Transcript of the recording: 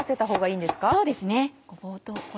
そうですねごぼうと。